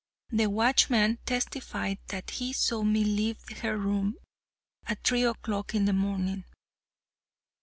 The watchman testified that he saw me leave her room at three o'clock in the morning.